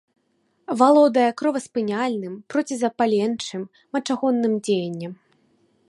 Валодае кроваспыняльным, процізапаленчым, мачагонным дзеяннем.